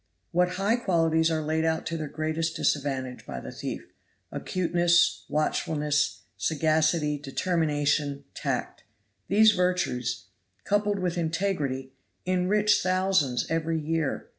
What high qualities are laid out to their greatest disadvantage by the thief; acuteness, watchfulness, sagacity, determination, tact. These virtues, coupled with integrity, enrich thousands every year.